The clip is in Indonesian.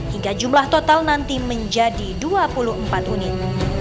hingga jumlah total nanti menjadi dua puluh empat unit